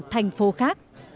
thành phố khác